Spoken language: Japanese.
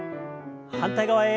反対側へ。